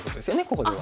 ここでは。